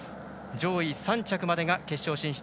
上位３着までが決勝進出。